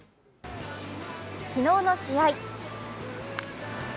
昨日の試合。